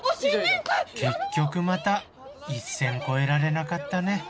結局また一線越えられなかったね